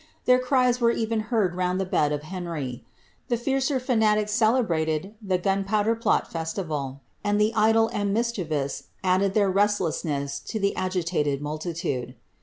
Their cws were even heard round the bed of Henry. The fiercer fanatics celei'MiiJ the Gunpowder Plot festival, and the idle and mischievous added ilit.r re^di'ssness to the agitated multitude.